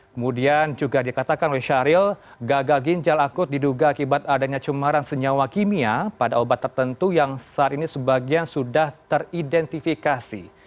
kemudian juga dikatakan oleh syahril gagal ginjal akut diduga akibat adanya cemaran senyawa kimia pada obat tertentu yang saat ini sebagian sudah teridentifikasi